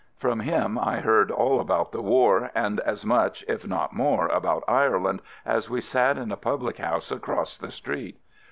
From him I heard all about the war, and as much, if not more, about Ireland, as we sat in a public house across the street.